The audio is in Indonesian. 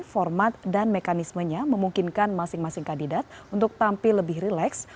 format dan mekanismenya memungkinkan masing masing kandidat untuk tampil lebih rileks